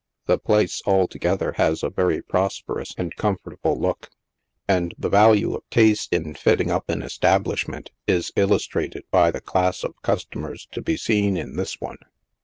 The place, altogether, has a very prosper ous and comfortable look, and the valuo of taste in fitting up an es tablishment is illustrated by the class of customers to bo seen in this one.